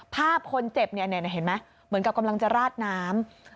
ภาพคนเจ็บเนี่ยเห็นไหมเหมือนกับกำลังจะราดน้ำ